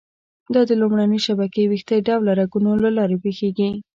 دا د لومړنۍ شبکې ویښته ډوله رګونو له لارې پېښېږي.